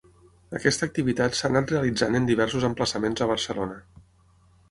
Aquesta activitat s'ha anat realitzant en diversos emplaçaments a Barcelona.